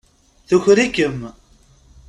Tuker-ikem.